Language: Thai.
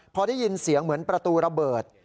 พอได้ยินเสียงเหมือนประตูระเบิด